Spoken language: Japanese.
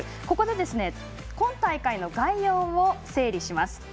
ここで今大会の概要を整理します。